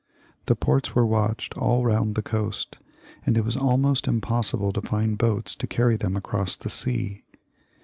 The ports were watched aU round the coast, and it was almost im possible to find boats to carry them across the sea.